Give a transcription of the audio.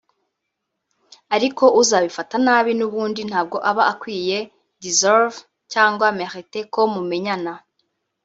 ariko uzabifata nabi n’ubundi ntabwo aba akwiye (deserve/meriter) ko mumenyana